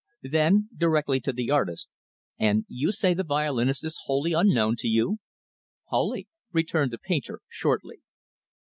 Then, directly to the artist, "And you say the violinist is wholly unknown to you?" "Wholly," returned the painter, shortly.